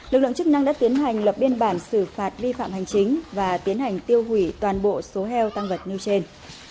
lực lượng chức năng đã tiến hành lập biên bản xử phạt vi phạm hành chính và tiến hành tiêu hủy toàn bộ số heo tăng vật nêu trên